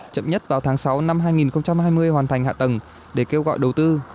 chậm nhất vào tháng sáu năm hai nghìn hai mươi hoàn thành hạ tầng để kêu gọi đầu tư